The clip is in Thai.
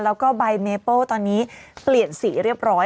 แล้วก็ใบเมเปิ้ลตอนนี้เปลี่ยนสีเรียบร้อย